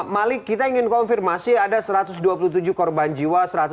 malik kita ingin konfirmasi ada satu ratus dua puluh tujuh korban jiwa